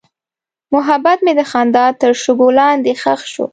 محبت مې د خندا تر شګو لاندې ښخ شو.